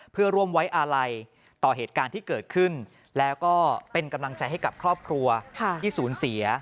เพื่อร่วมไว้อาลัยต่อเหตุการณ์ที่เกิดขึ้นแล้วก็เป็นกำลังใจให้กับครอบครัวที่สูญเสีย